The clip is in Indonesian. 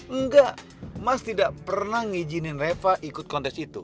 enggak mas tidak pernah ngijinin reva ikut kontes itu